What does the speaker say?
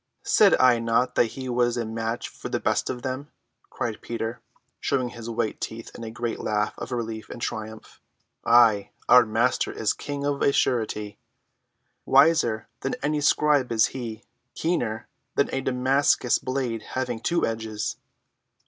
"Said I not that he was a match for the best of them?" cried Peter, showing his white teeth in a great laugh of relief and triumph. "Aye, our Master is king of a surety, wiser than any scribe is he, keener than a Damascus blade having two edges."